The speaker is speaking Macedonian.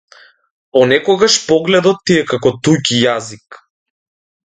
Понекогаш погледот ти е како туѓ јазик.